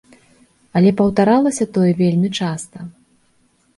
Але паўтаралася тое вельмі часта.